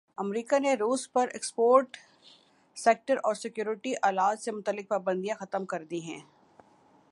امریکا نے روس پرایکسپورٹ سیکٹر اور سیکورٹی آلات سے متعلق پابندیاں ختم کردی ہیں